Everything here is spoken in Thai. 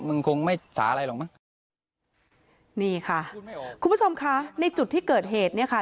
คงไม่สาอะไรหรอกมั้งนี่ค่ะคุณผู้ชมคะในจุดที่เกิดเหตุเนี่ยค่ะ